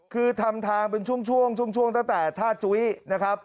คือทำทางเป็นช่วงช่วงตั้งแต่ท่าจุ้ยนะครับ